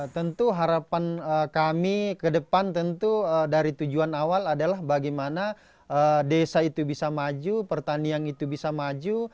tentu harapan kami ke depan tentu dari tujuan awal adalah bagaimana desa itu bisa maju pertanian itu bisa maju